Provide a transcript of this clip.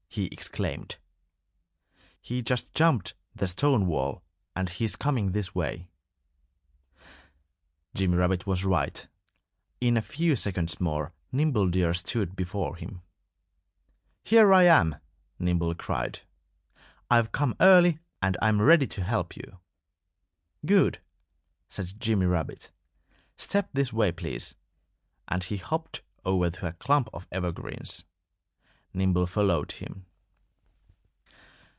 he exclaimed. "He just jumped the stone wall and he's coming this way." Jimmy Rabbit was right. In a few seconds more Nimble Deer stood before him. "Here I am!" Nimble cried. "I've come early and I'm ready to help you." "Good!" said Jimmy Rabbit. "Step this way, please!" And he hopped over to a clump of evergreens. Nimble followed him.